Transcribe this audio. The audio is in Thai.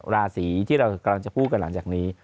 ราศีที่เรากำลังจะพูดกันหลังจากนี้